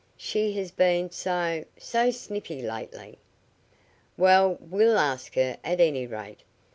"She has been so so snippy lately." "Well, we'll ask her, at any rate.